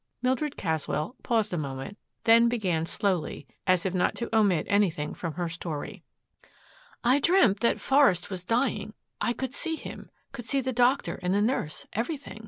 Mildred Caswell paused a moment, then began slowly, as if not to omit anything from her story. "I dreamt that Forest was dying. I could see him, could see the doctor and the nurse, everything.